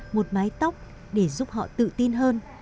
một mái tóc để giúp họ tự tin hơn